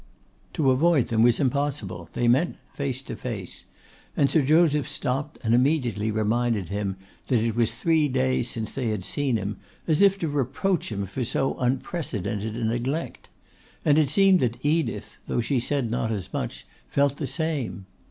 To avoid them was impossible; they met face to face; and Sir Joseph stopped, and immediately reminded him that it was three days since they had seen him, as if to reproach him for so unprecedented a neglect. And it seemed that Edith, though she said not as much, felt the same.